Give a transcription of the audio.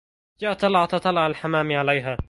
يا طلعة طلع الحمام عليها